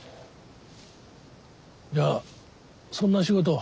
じゃあそんな仕事を？